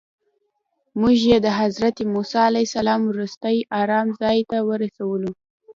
موږ یې د حضرت موسی علیه السلام وروستي ارام ځای ته ورسولو.